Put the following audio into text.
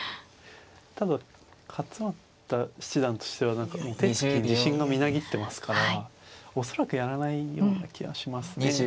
ただ勝又七段としては手つきに自信がみなぎってますから恐らくやらないような気がしますね。